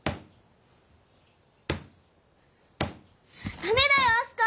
ダメだよ明日香！